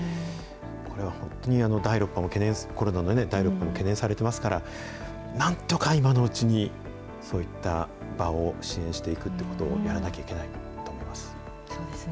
これは本当に第６波も、コロナの第６波も懸念されていますから、なんとか今のうちに、そういった場を支援していくってことをやらなきゃいけないと思いそうですね。